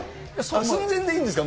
寸前でいいんですか？